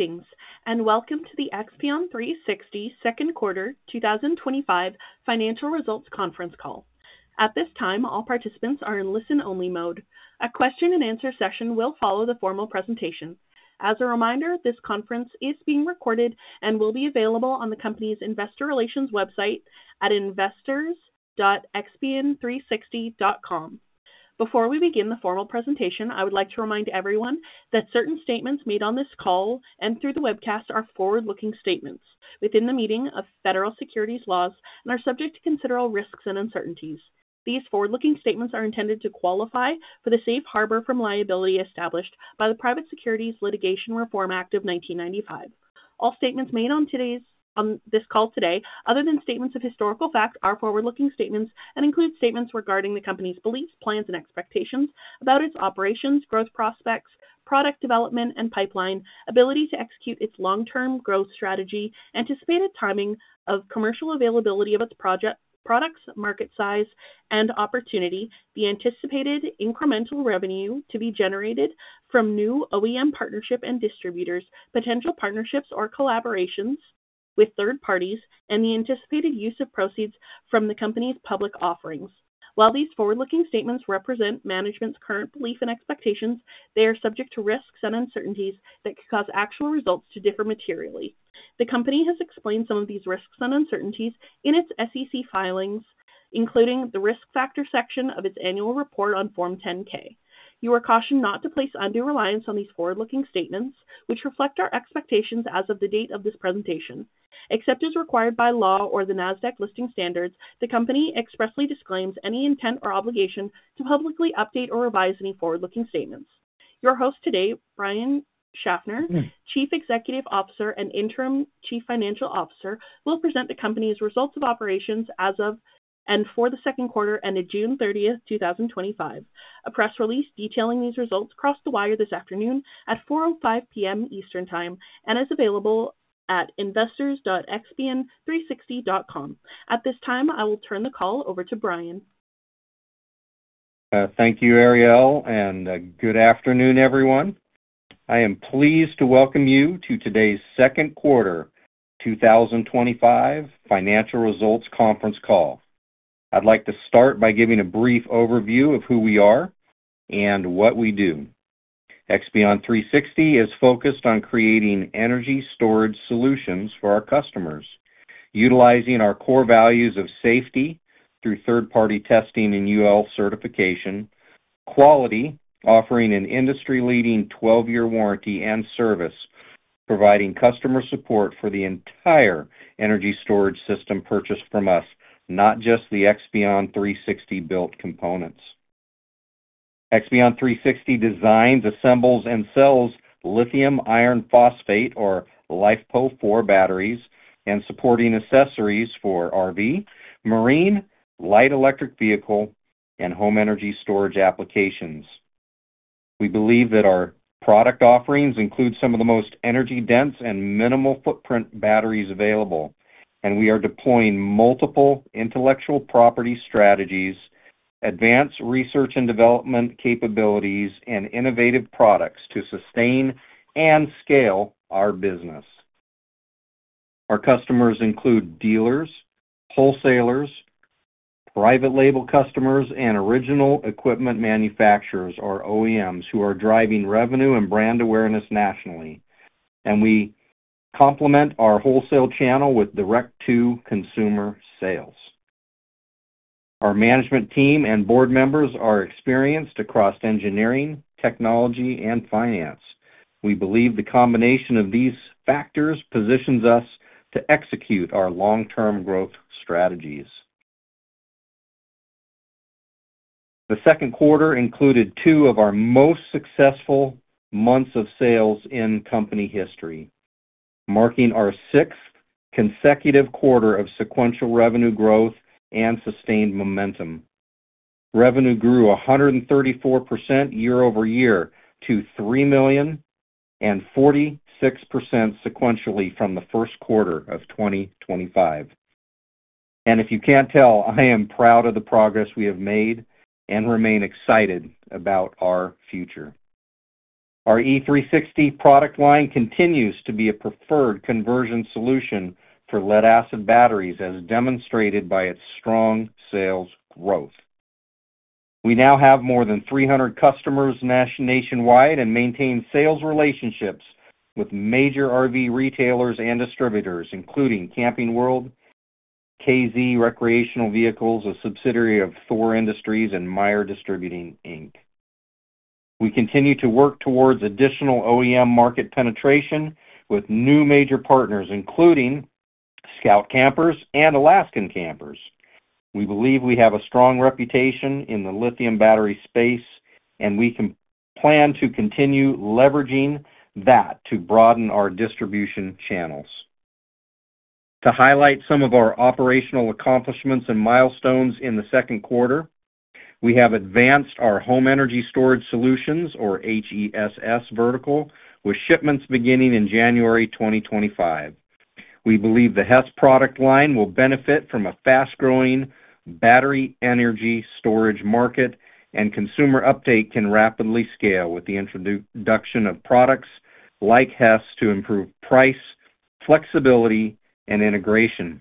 Greetings, and welcome to the Expion360 Second Quarter 2025 Financial Results Conference Call. At this time, all participants are in listen-only mode. A question-and-answer session will follow the formal presentation. As a reminder, this conference is being recorded and will be available on the company's investor relations website at investors.expion360.com. Before we begin the formal presentation, I would like to remind everyone that certain statements made on this call and through the webcast are forward-looking statements within the meaning of federal securities laws and are subject to considerable risks and uncertainties. These forward-looking statements are intended to qualify for the safe harbor from liability established by the Private Securities Litigation Reform Act of 1995. All statements made on today's call, other than statements of historical facts, are forward-looking statements and include statements regarding the company's beliefs, plans, and expectations about its operations, growth prospects, product development and pipeline, ability to execute its long-term growth strategy, anticipated timing of commercial availability of its products, market size and opportunity, the anticipated incremental revenue to be generated from new OEM partnership and distributors, potential partnerships or collaborations with third parties, and the anticipated use of proceeds from the company's public offerings. While these forward-looking statements represent management's current belief and expectations, they are subject to risks and uncertainties that can cause actual results to differ materially. The company has explained some of these risks and uncertainties in its SEC filings, including the risk factor section of its annual report on Form 10-K. You are cautioned not to place undue reliance on these forward-looking statements, which reflect our expectations as of the date of this presentation. Except as required by law or the NASDAQ listing standards, the company expressly disclaims any intent or obligation to publicly update or revise any forward-looking statements. Your host today, Brian Schaffner, Chief Executive Officer and Interim Chief Financial Officer, will present the company's results of operations as of and for the second quarter ended June 30th, 2025. A press release detailing these results crossed the wire this afternoon at 4:05 P.M. Eastern Time and is available at investors.expion360.com. At this time, I will turn the call over to Brian. Thank you, Ariel, and good afternoon, everyone. I am pleased to welcome you to today's Second Quarter 2025 Financial Results Conference Call. I'd like to start by giving a brief overview of who we are and what we do. Expion360 is focused on creating energy storage solutions for our customers, utilizing our core values of safety through third-party testing and UL certification, quality, offering an industry-leading 12-year warranty and service, providing customer support for the entire energy storage system purchased from us, not just the Expion360 built components. Expion360 designs, assembles, and sells lithium iron phosphate or LiFePO4 batteries and supporting accessories for RV, marine, light electric vehicle, and home energy storage applications. We believe that our product offerings include some of the most energy-dense and minimal footprint batteries available, and we are deploying multiple intellectual property strategies, advanced research and development capabilities, and innovative products to sustain and scale our business. Our customers include dealers, wholesalers, private label customers, and original equipment manufacturers or OEMs who are driving revenue and brand awareness nationally. We complement our wholesale channel with direct-to-consumer sales. Our management team and board members are experienced across engineering, technology, and finance. We believe the combination of these factors positions us to execute our long-term growth strategies. The second quarter included two of our most successful months of sales in company history, marking our sixth consecutive quarter of sequential revenue growth and sustained momentum. Revenue grew 134% year-over-year to $3,000,000 and 46% sequentially from the first quarter of 2025. If you can't tell, I am proud of the progress we have made and remain excited about our future. Our e360 product line continues to be a preferred conversion solution for lead-acid batteries, as demonstrated by its strong sales growth. We now have more than 300 customers nationwide and maintain sales relationships with major RV retailers and distributors, including Camping World, KZ Recreational Vehicles, a subsidiary of THOR Industries, and Meyer Distributing, Inc. We continue to work towards additional OEM market penetration with new major partners, including Scout Campers and Alaskan Campers. We believe we have a strong reputation in the lithium battery space, and we plan to continue leveraging that to broaden our distribution channels. To highlight some of our operational accomplishments and milestones in the second quarter, we have advanced our home energy storage solutions, or HESS, vertical with shipments beginning in January 2025. We believe the HESS product line will benefit from a fast-growing battery energy storage market, and consumer uptake can rapidly scale with the introduction of products like HESS to improve price, flexibility, and integration.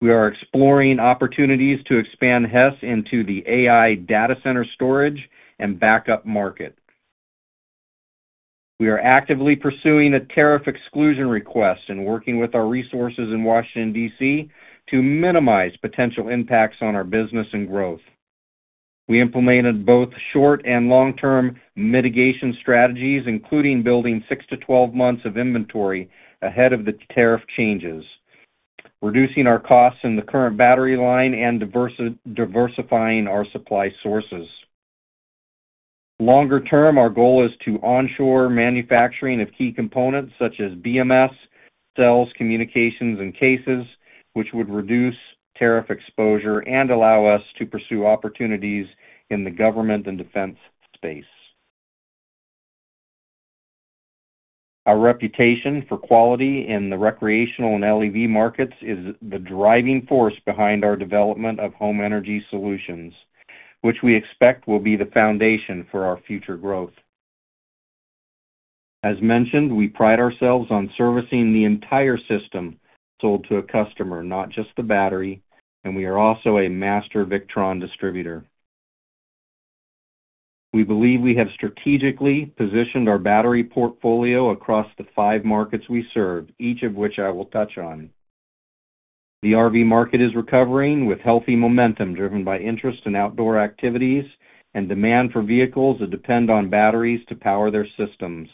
We are exploring opportunities to expand HESS into the AI data center storage and backup market. We are actively pursuing a tariff exclusion request and working with our resources in Washington, DC, to minimize potential impacts on our business and growth. We implemented both short and long-term mitigation strategies, including building 6-12 months of inventory ahead of the tariff changes, reducing our costs in the current battery line, and diversifying our supply sources. Longer term, our goal is to onshore manufacturing of key components such as BMS, cells, communications, and cases, which would reduce tariff exposure and allow us to pursue opportunities in the government and defense space. Our reputation for quality in the recreational and LEV markets is the driving force behind our development of home energy solutions, which we expect will be the foundation for our future growth. As mentioned, we pride ourselves on servicing the entire system sold to a customer, not just the battery, and we are also a master Victron distributor. We believe we have strategically positioned our battery portfolio across the five markets we serve, each of which I will touch on. The RV market is recovering with healthy momentum driven by interest in outdoor activities and demand for vehicles that depend on batteries to power their systems.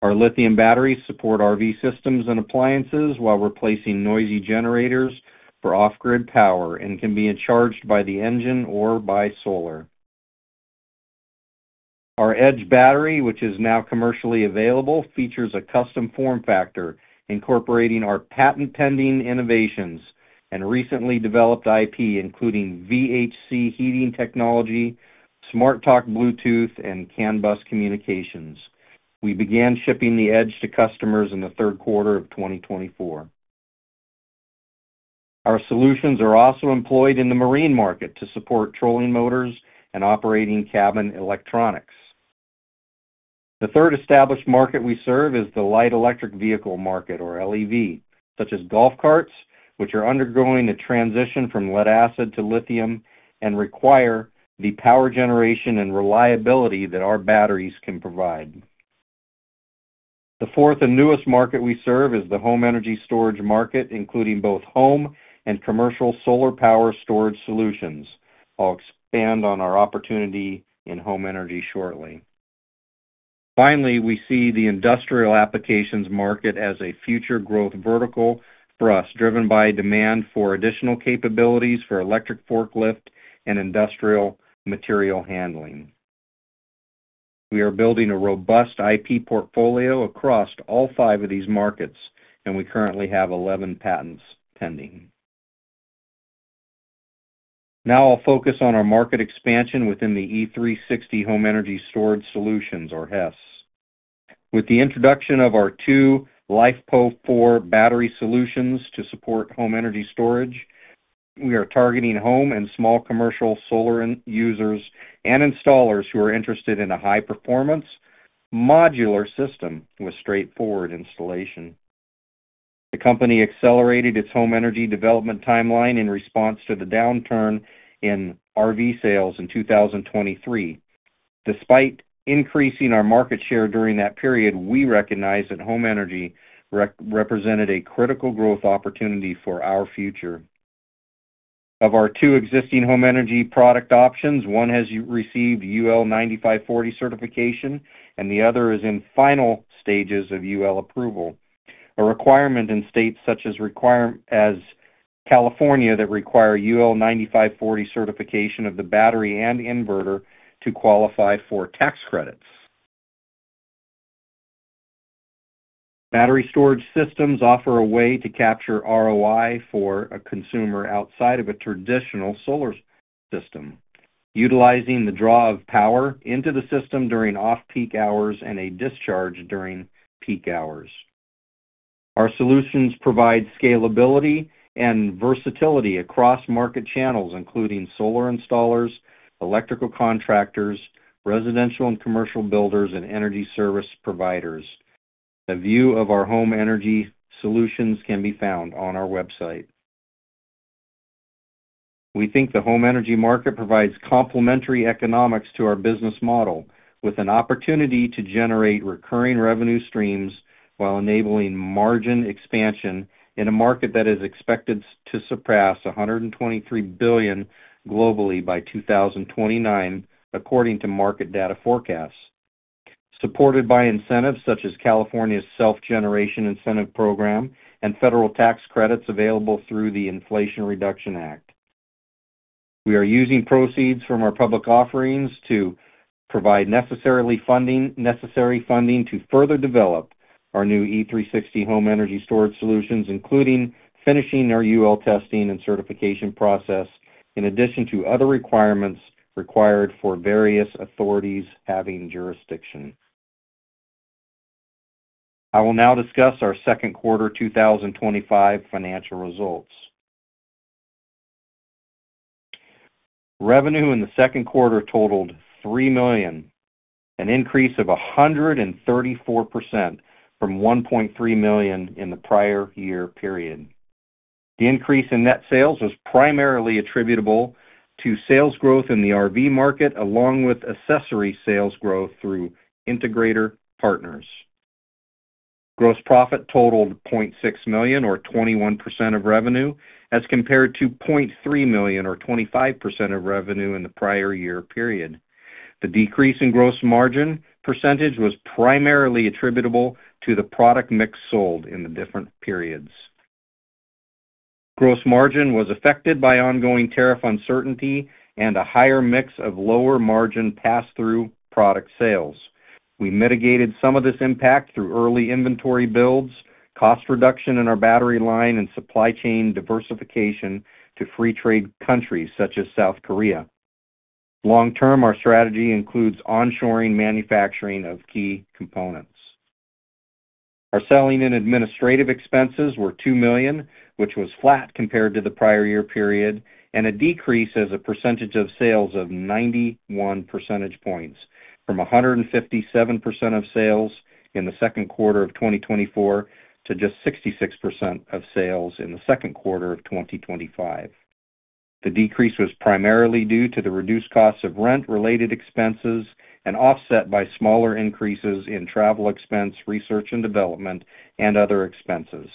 Our lithium batteries support RV systems and appliances while replacing noisy generators for off-grid power and can be charged by the engine or by solar. Our Edge battery, which is now commercially available, features a custom form factor incorporating our patent-pending innovations and recently developed IP, including VHC heating technology, SmartTalk Bluetooth, and CAN Bus communications. We began shipping the Edge to customers in the third quarter of 2024. Our solutions are also employed in the marine market to support trolling motors and operating cabin electronics. The third established market we serve is the light electric vehicle market, or LEV, such as golf carts, which are undergoing a transition from lead acid to lithium and require the power generation and reliability that our batteries can provide. The fourth and newest market we serve is the home energy storage market, including both home and commercial solar power storage solutions. I'll expand on our opportunity in home energy shortly. Finally, we see the industrial applications market as a future growth vertical for us, driven by demand for additional capabilities for electric forklift and industrial material handling. We are building a robust [IP] portfolio across all five of these markets, and we currently have 11 patents pending. Now I'll focus on our market expansion within the e360 Home Energy Storage Solutions, or HESS. With the introduction of our two LiFePO4 battery solutions to support home energy storage, we are targeting home and small commercial solar users and installers who are interested in a high-performance modular system with straightforward installation. The company accelerated its home energy development timeline in response to the downturn in RV sales in 2023. Despite increasing our market share during that period, we recognize that home energy represented a critical growth opportunity for our future. Of our two existing home energy product options, one has received UL 9540 certification, and the other is in final stages of UL approval, a requirement in states such as California that require UL 9540 certification of the battery and inverter to qualify for tax credits. Battery storage systems offer a way to capture ROI for a consumer outside of a traditional solar system, utilizing the draw of power into the system during off-peak hours and a discharge during peak hours. Our solutions provide scalability and versatility across market channels, including solar installers, electrical contractors, residential and commercial builders, and energy service providers. A view of our home energy solutions can be found on our website. We think the home energy market provides complementary economics to our business model, with an opportunity to generate recurring revenue streams while enabling margin expansion in a market that is expected to surpass $123 billion globally by 2029, according to market data forecasts. Supported by incentives such as California's Self-Generation Incentive Program and federal tax credits available through the Inflation Reduction Act. We are using proceeds from our public offerings to provide necessary funding to further develop our new e360 Home Energy Storage Solutions, including finishing our UL testing and certification process, in addition to other requirements required for various authorities having jurisdiction. I will now discuss our second quarter 2025 financial results. Revenue in the second quarter totaled $3,000,000, an increase of 134% from $1.3 million in the prior year period. The increase in net sales was primarily attributable to sales growth in the RV market, along with accessory sales growth through integrator partners. Gross profit totaled $0.6 million, or 21% of revenue, as compared to $0.3 million, or 25% of revenue in the prior year period. The decrease in gross margin percentage was primarily attributable to the product mix sold in the different periods. Gross margin was affected by ongoing tariff uncertainty and a higher mix of lower margin pass-through product sales. We mitigated some of this impact through early inventory builds, cost reduction in our battery line, and supply chain diversification to free trade countries such as South Korea. Long-term, our strategy includes onshoring manufacturing of key components. Our selling and administrative expenses were $2,000,000, which was flat compared to the prior year period, and a decrease as a percentage of sales of 91 percentage points, from 157% of sales in the second quarter of 2024 to just 66% of sales in the second quarter of 2025. The decrease was primarily due to the reduced costs of rent-related expenses and offset by smaller increases in travel expense, research and development, and other expenses.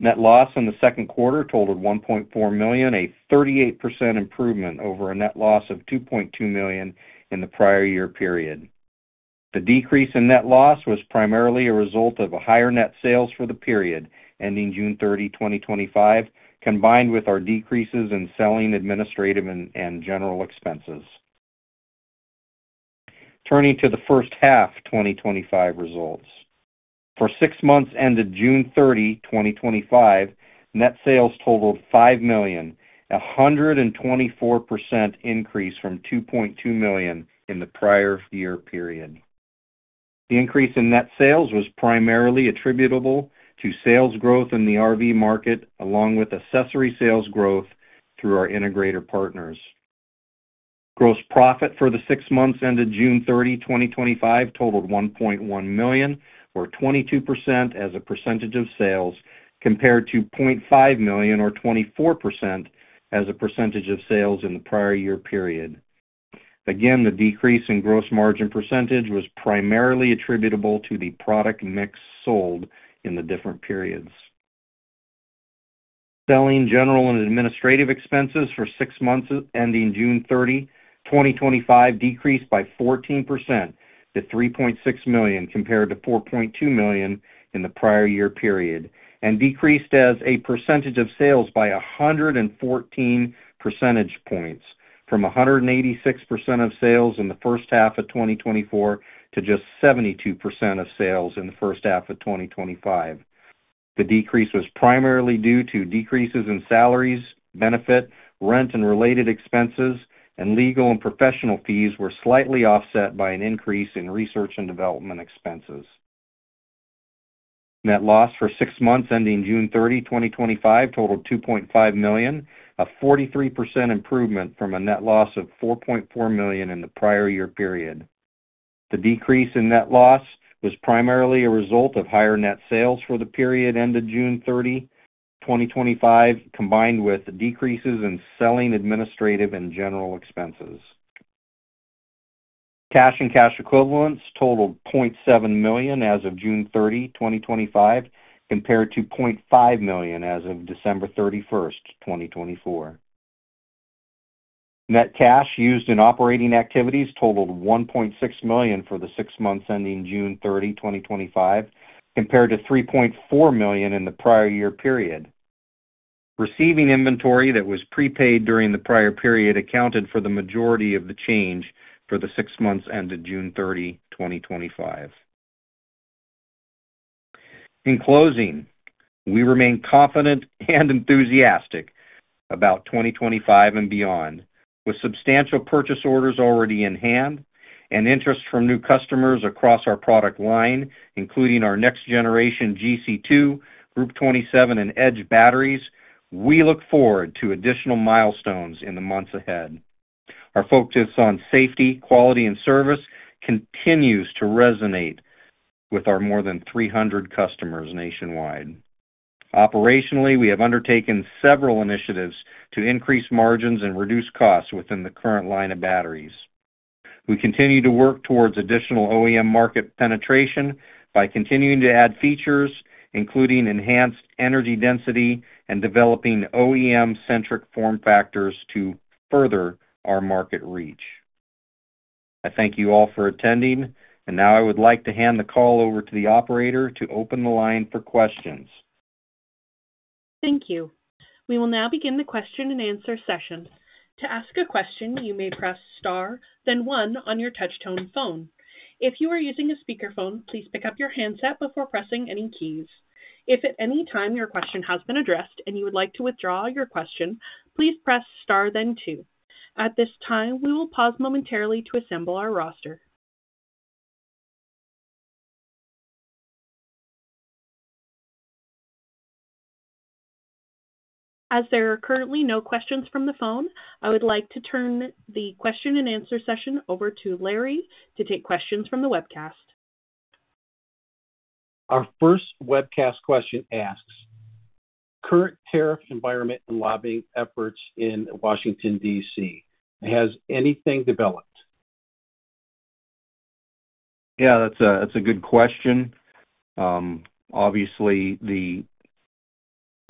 Net loss in the second quarter totaled $1.4 million, a 38% improvement over a net loss of $2.2 million in the prior year period. The decrease in net loss was primarily a result of higher net sales for the period ending June 30, 2025, combined with our decreases in selling, administrative, and general expenses. Turning to the first half 2025 results. For six months ended June 30, 2025, net sales totaled $5,000,000, a 124% increase from $2.2 million in the prior year period. The increase in net sales was primarily attributable to sales growth in the RV market, along with accessory sales growth through our integrator partners. Gross profit for the six months ended June 30, 2025 totaled $1.1 million, or 22% as a percentage of sales, compared to $0.5 million, or 24% as a percentage of sales in the prior year period. The decrease in gross margin percentage was primarily attributable to the product mix sold in the different periods. Selling, general, and administrative expenses for six months ending June 30, 2025 decreased by 14% to $3.6 million compared to $4.2 million in the prior year period and decreased as a percentage of sales by 114 percentage points, from 186% of sales in the first half of 2024 to just 72% of sales in the first half of 2025. The decrease was primarily due to decreases in salaries, benefits, rent, and related expenses, and legal and professional fees were slightly offset by an increase in research and development expenses. Net loss for six months ending June 30, 2025 totaled $2.5 million, a 43% improvement from a net loss of $4.4 million in the prior year period. The decrease in net loss was primarily a result of higher net sales for the period ended June 30, 2025, combined with decreases in selling, administrative, and general expenses. Cash and cash equivalents totaled $0.7 million as of June 30, 2025, compared to $0.5 million as of December 31st, 2024. Net cash used in operating activities totaled $1.6 million for the six months ending June 30, 2025, compared to $3.4 million in the prior year period. Receiving inventory that was prepaid during the prior period accounted for the majority of the change for the six months ended June 30, 2025. In closing, we remain confident and enthusiastic about 2025 and beyond, with substantial purchase orders already in hand and interest from new customers across our product line, including our next generation GC2, Group 27, and Edge batteries. We look forward to additional milestones in the months ahead. Our focus on safety, quality, and service continues to resonate with our more than 300 customers nationwide. Operationally, we have undertaken several initiatives to increase margins and reduce costs within the current line of batteries. We continue to work towards additional OEM market penetration by continuing to add features, including enhanced energy density and developing OEM-centric form factors to further our market reach. I thank you all for attending, and now I would like to hand the call over to the operator to open the line for questions. Thank you. We will now begin the question-and-answer session. To ask a question, you may press star, then one on your touch-tone phone. If you are using a speakerphone, please pick up your handset before pressing any keys. If at any time your question has been addressed and you would like to withdraw your question, please press star, then two. At this time, we will pause momentarily to assemble our roster. As there are currently no questions from the phone, I would like to turn the question-and-answer session over to Larry Holub to take questions from the webcast. Our first webcast question asks, current tariff environment and lobbying efforts in Washington, D.C., has anything developed? Yeah, that's a good question. Obviously, the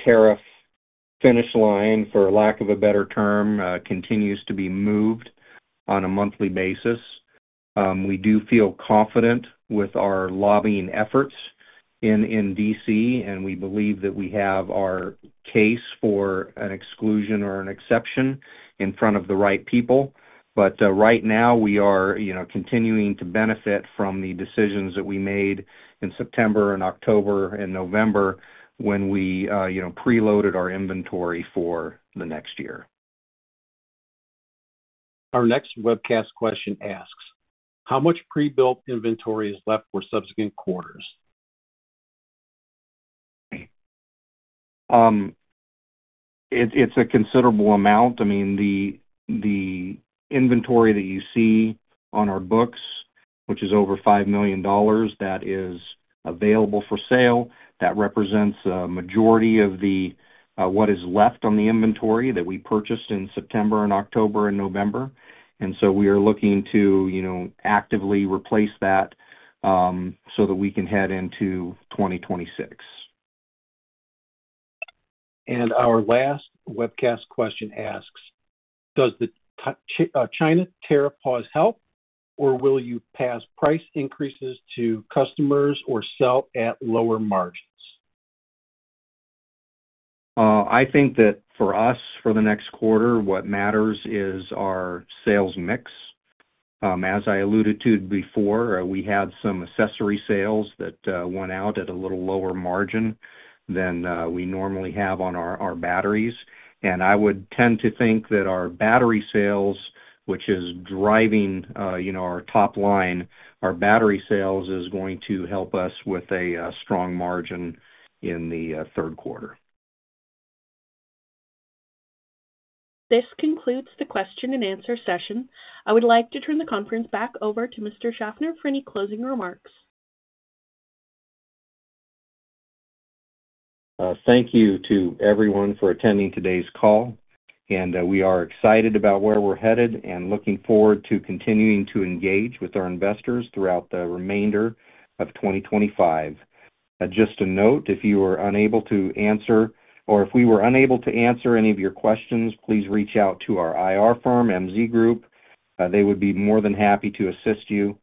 tariff finish line, for lack of a better term, continues to be moved on a monthly basis. We do feel confident with our lobbying efforts in Washington, D.C., and we believe that we have our case for an exclusion or an exception in front of the right people. Right now, we are continuing to benefit from the decisions that we made in September, October, and November when we preloaded our inventory for the next year. Our next webcast question asks, how much pre-built inventory is left for subsequent quarters? It's a considerable amount. I mean, the inventory that you see on our books, which is over $5 million that is available for sale, represents a majority of what is left on the inventory that we purchased in September, October, and November. We are looking to actively replace that so that we can head into 2026. Our last webcast question asks, does the China tariff pause help, or will you pass price increases to customers or sell at lower margins? I think that for us, for the next quarter, what matters is our sales mix. As I alluded to before, we had some accessory sales that went out at a little lower margin than we normally have on our batteries. I would tend to think that our battery sales, which is driving our top line, our battery sales is going to help us with a strong margin in the third quarter. This concludes the question-and-answer session. I would like to turn the conference back over to Mr. Schaffner for any closing remarks. Thank you to everyone for attending today's call. We are excited about where we're headed and looking forward to continuing to engage with our investors throughout the remainder of 2025. If we were unable to answer any of your questions, please reach out to our IR firm, MZ Group. They would be more than happy to assist you.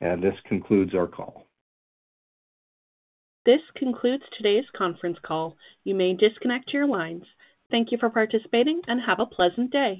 This concludes our call. This concludes today's conference call. You may disconnect your lines. Thank you for participating and have a pleasant day.